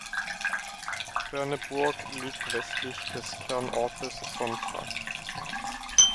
Berneburg liegt westlich des Kernortes Sontra.